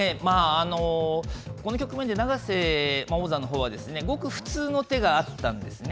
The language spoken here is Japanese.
この局面で永瀬王座のほうはですねごく普通の手があったんですね。